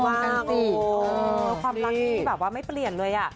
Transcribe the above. ความรักที่ไม่เปลี่ยนเลย